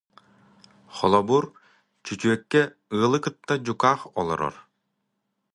Холобур, чөчүөккэ ыалы кытта дьукаах олорор